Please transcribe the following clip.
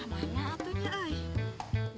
kamanah atunya oi